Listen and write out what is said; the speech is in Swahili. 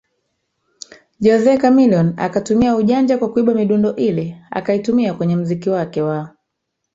Jose Chameleone akatumia ujanja kwa kuiba midundo ile akaitumia kwenye muziki wake wa